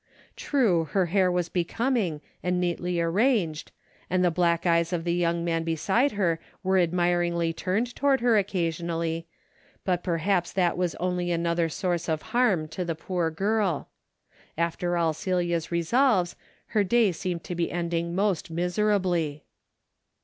True, her hair was becoming and neatly arranged, and the black eyes of the young man beside her were admiringly turned to ward her occasionally, but perhaps that was only another source of harm to the poor girl. After all Celia's resolves, her day seemed to be ending most miserably.